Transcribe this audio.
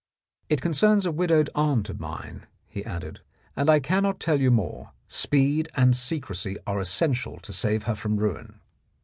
" It concerns a widowed aunt of mine," he added, "and I cannot tell you more. Speed and secrecy are essential to save her from ruin."